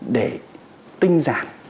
để tinh giảm